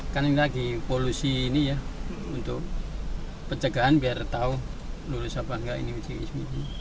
kan ini lagi polusi ini ya untuk pencegahan biar tahu lulus apa enggak ini uji